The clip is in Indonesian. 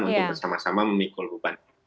untuk bersama sama memikul beban